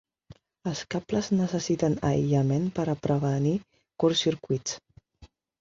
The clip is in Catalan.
Els cables necessiten aïllament per a prevenir curtcircuits.